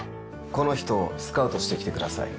この人をスカウトしてきてください。